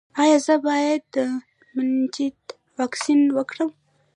ایا زه باید د مننجیت واکسین وکړم؟